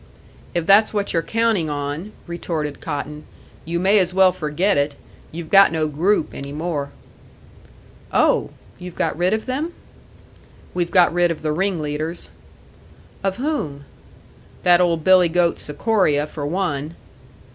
"If that's what you're counting on," retorted Cotton, "you may as well forget it. You've got no group any more." "Oh! You've got rid of them?" "We've got rid of the ring leaders." "Of whom?" "That old billy goat, Sikoria, for one."